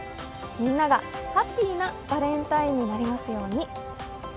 みんながハッピーなバレンタインになりますように。